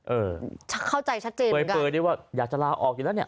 เออเข้าใจชัดเจนเหมือนกันเเปลือได้ว่าอยากจะลาออกอีกแล้วเนี่ย